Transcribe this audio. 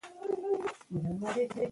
تاريخ ليکونکي له مسوليته تېښته کوي.